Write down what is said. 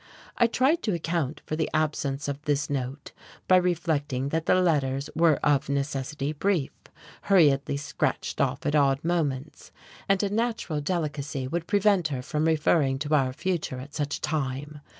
I tried to account for the absence of this note by reflecting that the letters were of necessity brief, hurriedly scratched off at odd moments; and a natural delicacy would prevent her from referring to our future at such a time.